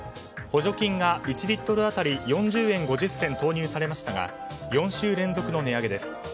補助金が１リットル当たり４０円５０銭投入されましたが４週連続の値上げです。